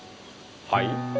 はい？